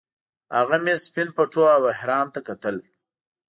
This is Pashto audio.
هغه مې سپین پټو او احرام ته کتل.